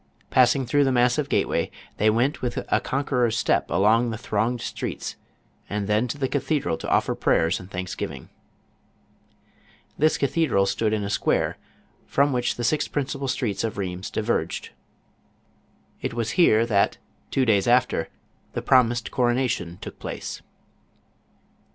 Passing through the massive gateway, they went with a conqueror's step along the thronged streets, and then to the cathedral to offer prayers and thanksgiving. This cathedral stood in a square, from which the six principal streets of Rlieims diverged. It was here that, two days after, the promised coronation took place.